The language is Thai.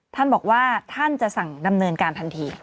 ท่านบอกว่าท่านจะสั่งดำเนินการทันที